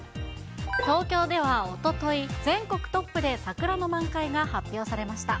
東京ではおととい、全国トップで桜の満開が発表されました。